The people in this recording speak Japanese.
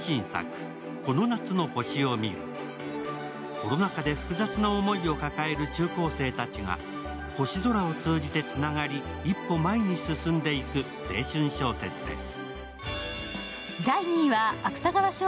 コロナ禍で複雑な思いを抱える中高生たちが星空を通じてつながり一歩前に進んでいく青春小説です。